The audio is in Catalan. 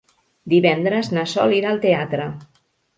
Divendres na Sol irà al teatre.